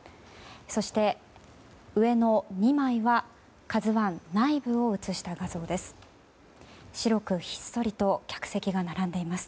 そして、上の２枚は「ＫＡＺＵ１」内部を写した画像です。